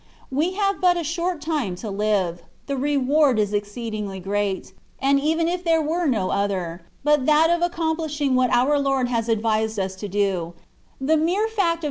* We have but a short time to live : t the reward is exceeding great ; and even if there were no other, but that of accomplishing what our Lord has advised us to do, the mere fact *" En lo interior proouremos tenerla."